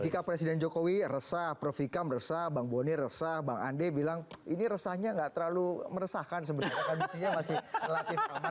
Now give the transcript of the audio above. jika presiden jokowi resah prof vika meresah bang bonir resah bang ande bilang ini resahnya gak terlalu meresahkan sebenarnya